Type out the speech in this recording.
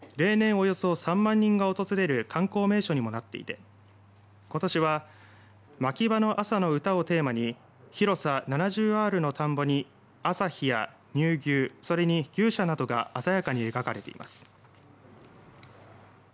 およそ３万人が訪れる観光名所にもなっていてことしは牧場の朝の歌をテーマに広さ７０アールの田んぼに朝日や乳牛それに牛舎などが鮮やかに描かれています。